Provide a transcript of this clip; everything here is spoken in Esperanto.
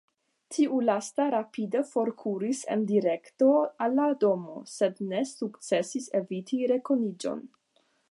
Tiu lasta rapide forkuris en direkto al la domo, sed ne sukcesis eviti rekoniĝon.